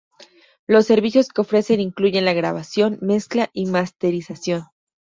Los servicios que ofrecen incluyen la grabación, mezcla y masterización.